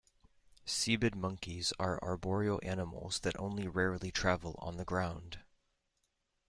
Cebid monkeys are arboreal animals that only rarely travel on the ground.